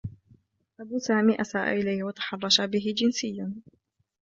أب سامي أساء إليه و تحرّش به جنسيّا.